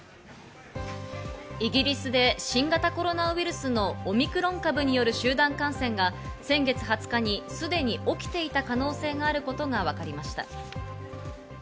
イギリスで新型コロナウイルスのオミクロン株による集団感染が先月２０日にすでに起きていた可能性があることがわかりました。